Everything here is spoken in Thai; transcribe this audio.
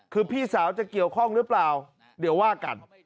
คือพี่สาวจะเกี่ยวข้องหรือเปล่าเดี๋ยวว่ากัน